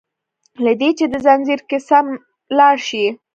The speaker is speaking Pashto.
له دي چي په ځنځير کي سم لاړ شي